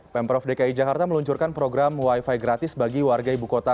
pemprov dki jakarta meluncurkan program wifi gratis bagi warga ibu kota